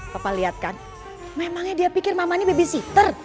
papa lihat kan memangnya dia pikir mama ini babysitter